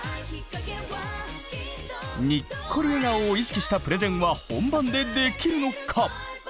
にっこり笑顔を意識したプレゼンは本番でできるのか？